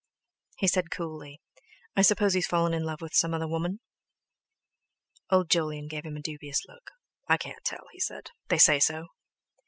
He said coolly: "I suppose he's fallen in love with some other woman?" Old Jolyon gave him a dubious look: "I can't tell," he said; "they say so!"